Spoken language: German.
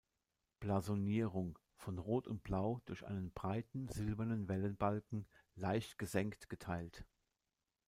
Blasonierung: „Von Rot und Blau durch einen breiten silbernen Wellenbalken leicht gesenkt geteilt.